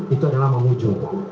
itu adalah memujuk